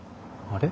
あれ？